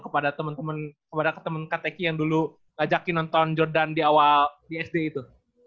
kepada temen temen kepada temen kakek nya yang dulu ajakin nonton jordan di awal sd itu